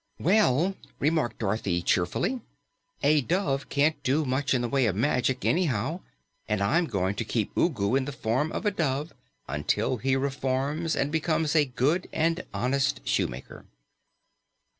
"Well," remarked Dorothy cheerfully, "a dove can't do much in the way of magic, anyhow, and I'm going to keep Ugu in the form of a dove until he reforms and becomes a good and honest shoemaker."